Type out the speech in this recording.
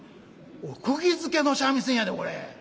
「おっくぎづけの三味線やでこれ。